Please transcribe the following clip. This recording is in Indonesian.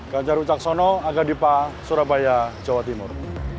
ganjar ucaksono aga dipa surabaya jawa timur